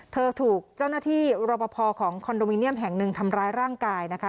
เธอถูกเจ้าหน้าที่รบพอของคอนโดมิเนียมแห่งหนึ่งทำร้ายร่างกายนะคะ